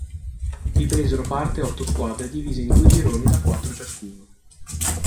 Vi presero parte otto squadre divise in due gironi da quattro ciascuno.